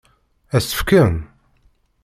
Ad s-t-fken?